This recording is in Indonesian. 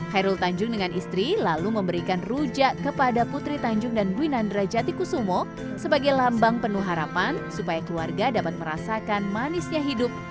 hairul tanjung dengan istri lalu memberikan rujak kepada putri tanjung dan duinandra jatikusumo sebagai lambang penuh harapan supaya keluarga dapat merasakan manisnya hidup